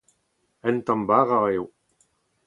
Un tamm bara eo.